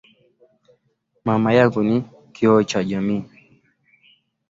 Mama yangu ni kioo cha jamii.